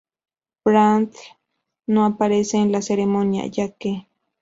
Bradl no aparece en la ceremonia ya que.